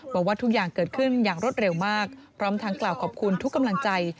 บอกว่าทุกอย่างเกิดขึ้นอย่างรวดเร็วมากพร้อมทั้งกล่าวขอบคุณทุกกำลังใจ